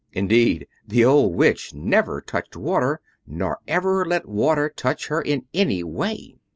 Indeed, the old Witch never touched water, nor ever let water touch her in any way.